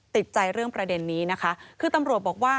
ติดใจเรื่องประเด็นนี้นะคะคือตำรวจบอกว่า